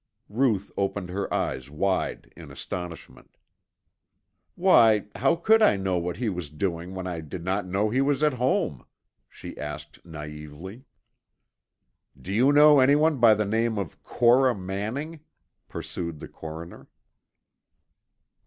Ruth opened her eyes wide in astonishment. "Why, how could I know what he was doing when I did not know he was at home?" she asked naïvely. "Do you know anyone by the name of Cora Manning?" pursued the coroner.